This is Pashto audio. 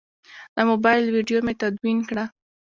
د موبایل ویدیو مې تدوین کړه.